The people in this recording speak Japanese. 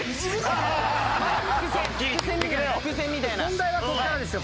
本題はこっからですよ